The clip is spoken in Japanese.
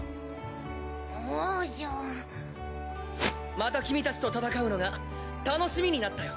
また君たちと戦うのが楽しみになったよ！